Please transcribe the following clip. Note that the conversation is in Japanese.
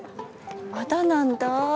まだなんだ。